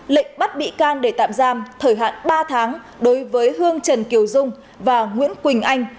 lệnh bắt bị can để tạm giam thời hạn ba tháng đối với hương trần kiều dung và nguyễn quỳnh anh